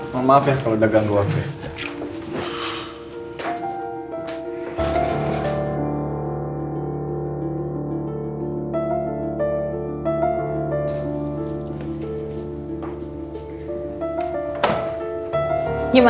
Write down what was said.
mohon maaf ya kalau udah ganggu aku ya